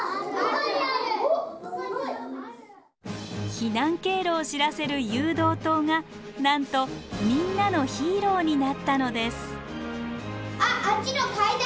避難経路を知らせる誘導灯がなんとみんなのヒーローになったのです。